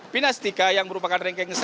pinastika yang merupakan ranking satu